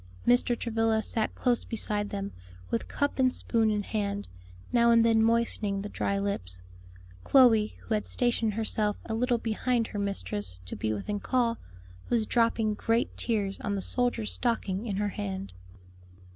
Mr. Travilla sat close beside them, with cup and spoon in hand, now and then moistening the dry lips. Chloe, who had stationed herself a little behind her mistress to be within call, was dropping great tears on the soldier's stocking in her hand.